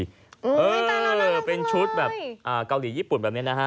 อุ๊ยตายแล้วน่ารักมากเลยเป็นชุดเกาหลีญี่ปุ่นแบบนี้นะฮะ